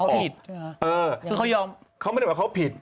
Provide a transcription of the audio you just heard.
เขาไม่ได้หมายความว่าเขาผิด